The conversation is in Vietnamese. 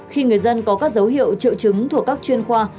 khi người dân có các dấu hiệu triệu chứng thuộc các chuyên khoa